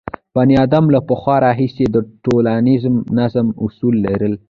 بنیادم له پخوا راهیسې د ټولنیز نظم اصول لرل.